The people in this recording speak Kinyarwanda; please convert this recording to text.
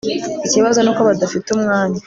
Ikibazo nuko badafite umwanya